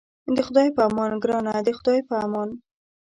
د خدای په امان ګرانه د خدای په امان.